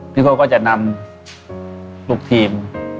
พี่โก้ก็จะนำลูกทีม